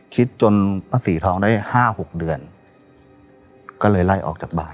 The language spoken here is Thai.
จนป้าศรีทองได้๕๖เดือนก็เลยไล่ออกจากบ้าน